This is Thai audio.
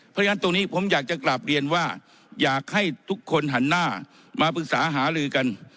เพราะฉะนั้นตรงนี้ผมอยากจะกลับเรียนว่าอยากให้ทุกคนหันหน้ามาปรึกษาหาลือกัน